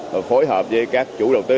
và phối hợp với các chủ đầu tư